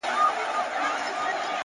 په برق خندا دي داسې پورته کړله